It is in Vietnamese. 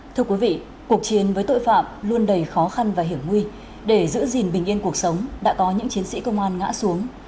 thưa quý vị cuộc chiến với tội phạm luôn đầy khó khăn và hiểm nguy để giữ gìn bình yên cuộc sống đã có những chiến sĩ công an ngã xuống